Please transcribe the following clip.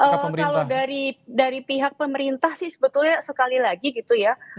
kalau dari pihak pemerintah sih sebetulnya sekali lagi gitu ya